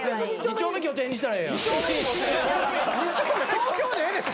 東京でええでしょ